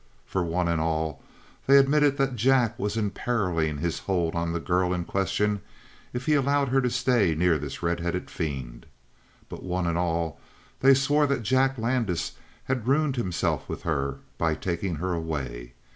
For one and all they admitted that Jack was imperiling his hold on the girl in question if he allowed her to stay near this red headed fiend. But one and all they swore that Jack Landis had ruined himself with her by taking her away.